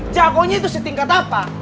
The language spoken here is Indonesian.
jagonya itu setingkat apa